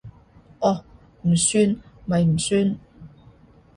哦，唔算咪唔算